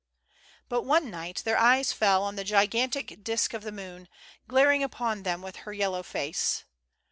But one night their eyes fell on the gigantic disc of the moon, glaring upon them with her yellow face.